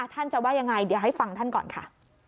ท่านจะว่ายังไงเดี๋ยวให้ฟังท่านก่อนค่ะ